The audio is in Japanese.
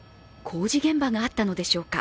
工事現場があったのでしょうか。